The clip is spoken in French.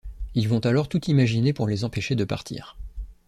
Ils vont alors tout imaginer pour les empêcher de partir.